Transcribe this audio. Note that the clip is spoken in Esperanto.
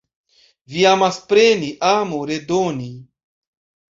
Vi amas preni, amu redoni.